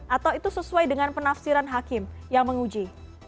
atau itu sesuai dengan penafsiran hakim yang menguji